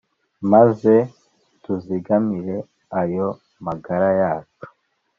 Maze tuzigamire ayo magara yacu